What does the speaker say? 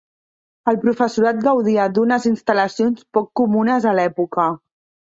El professorat gaudia d'unes instal·lacions poc comunes a l'època.